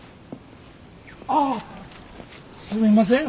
ああっすみません！